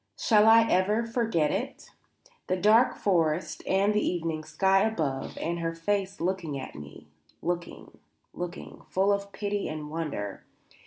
Shall I ever forget it? The dark forest and the evening sky above and her face looking at me looking, looking, full of pity and wonder.